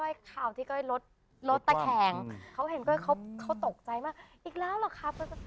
ประเทศก่อนต่อไปเขาค่าวที่เค้ารถลดตะแข็งคั้นไว้ตกใจว่าอีกแล้วหรอครับ